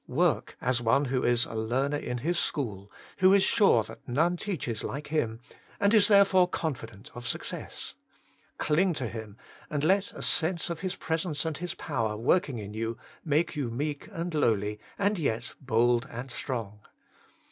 Work as one who is a learner in His school, who is sure that none teaches like Him, and is therefore confident of success. Cling to Him, and let a sense of His presence and His power working in you make you meek and lowly, and yet bold and strong.